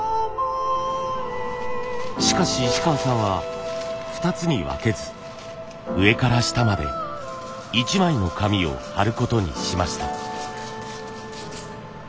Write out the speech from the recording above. しかし石川さんは２つに分けず上から下まで一枚の紙を貼ることにしました。